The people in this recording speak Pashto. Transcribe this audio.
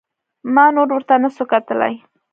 ما نور ورته نسو کتلى.